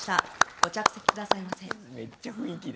ご着席くださいませ。